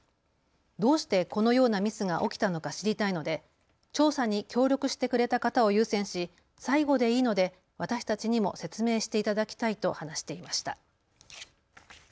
どうしてこのようなミスが起きたのか知りたいので調査に協力してくれた方を優先し最後でいいので私たちにも説明していただきたいと話していました。